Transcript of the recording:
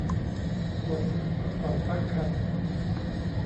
ตรวจสุขภาพก่อนตั้งครรภ์